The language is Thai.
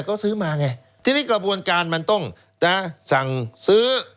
เขาซื้อมาไงทีนี้กระบวนการมันต้องนะสั่งซื้อ